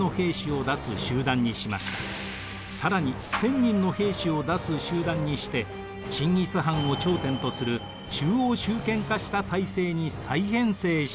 更に１，０００人の兵士を出す集団にしてチンギス・ハンを頂点とする中央集権化した体制に再編成したのです。